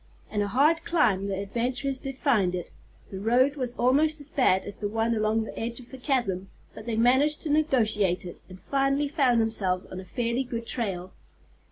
And a hard climb the adventurers did find it. The road was almost as bad as the one along the edge of the chasm, but they managed to negotiate it, and finally found themselves on a fairly good trail.